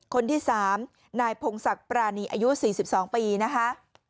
คนที่๓นายพงศักดิ์ปรานีอายุ๔๒ปีนะคะ